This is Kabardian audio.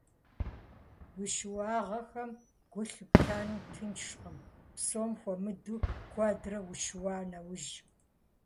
Уи щыуагъэхэм гу лъыптэну тыншкъым, псом хуэмыдэу, куэдрэ ущыуа нэужь.